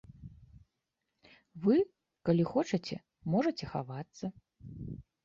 Вы, калі хочаце, можаце хавацца.